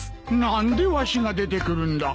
何でわしが出てくるんだ？